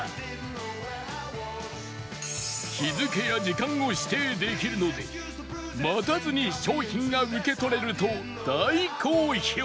日付や時間を指定できるので待たずに商品が受け取れると大好評